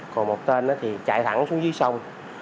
còn một tên thì chạy thẳng xuống dưới sông